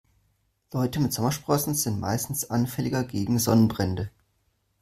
Leute mit Sommersprossen sind meistens anfälliger gegen Sonnenbrände.